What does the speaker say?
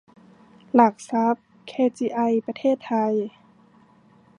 หลักทรัพย์ เคจีไอ ประเทศไทย